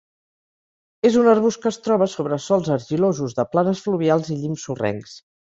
És un arbust que es troba sobre sòls argilosos de planes fluvials i llims sorrencs.